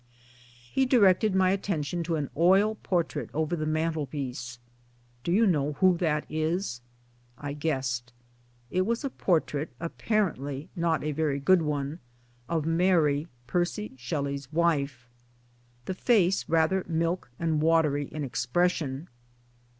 He directed my attention to an oil portrait over the mantelpiece : "Do you know who that is? " I guessed. It was a portrait appar ently not a very good one of Mary, Percy Shelley's wife ': the face rather milk and watery in expres sion.